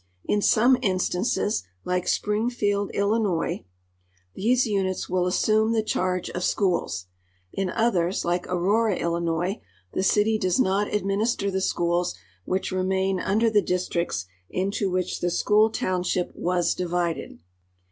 In some instances, like Springfield, Illinois, these units will as 122 NATIONAL GEOGRAPHIC SOCIETY: sume the charge of schools ; in others, like Aurora, Illinois, the cit}' does not administer the schools, which remain under the districts into which the school township was divided.